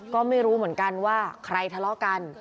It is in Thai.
ก็ไม่รู้เหมือนกันว่าใครทะเลาะกัน